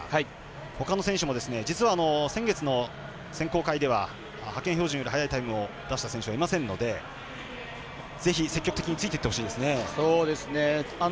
ほかの選手も実は先月の選考会では派遣標準より速いタイムを出した選手はいないですのでぜひ積極的についていってほしいですね。